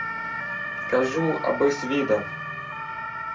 — Кажу, аби-с відав.